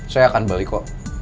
saya akan balik kok